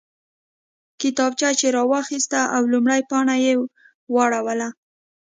کتابچه یې راواخیسته او لومړۍ پاڼه یې واړوله